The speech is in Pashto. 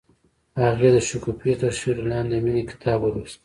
هغې د شګوفه تر سیوري لاندې د مینې کتاب ولوست.